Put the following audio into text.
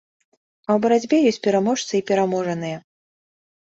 А ў барацьбе ёсць пераможцы і пераможаныя.